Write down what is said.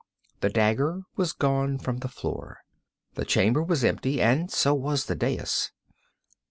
The dagger was gone from the floor. The chamber was empty; and so was the dais.